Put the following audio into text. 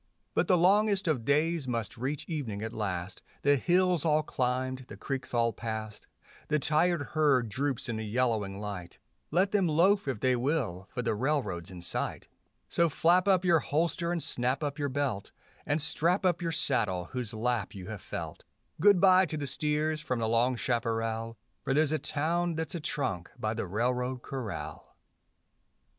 But the longest of days must reach evening at last, The hills all climbed, the creeks all past; The tired herd droops in the yellowing light; Let them loaf if they will, for the railroad's in sight So flap up your holster and snap up your belt, And strap up your saddle whose lap you have felt; Good bye to the steers from the long chaparral, For there's a town that's a trunk by the railroad corral.